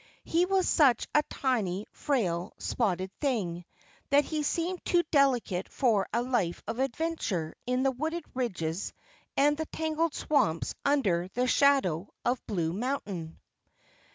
He was such a tiny, frail, spotted thing that he seemed too delicate for a life of adventure on the wooded ridges and in the tangled swamps under the shadow of Blue Mountain.